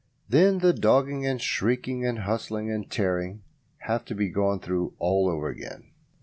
Then the dogging and shrieking and hustling and tearing have to be gone through all over again.